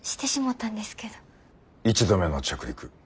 １度目の着陸。